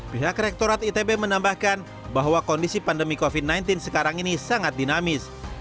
pihak rektorat itb menambahkan bahwa kondisi pandemi covid sembilan belas sekarang ini sangat dinamis